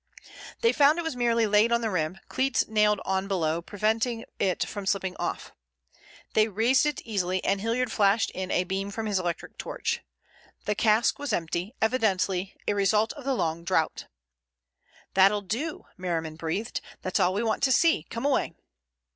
They found it was merely laid on the rim, cleats nailed on below preventing it from slipping off. They raised it easily and Hilliard flashed in a beam from his electric torch. The cask was empty, evidently a result of the long drought. "That'll do," Merriman breathed. "That's all we want to see. Come away."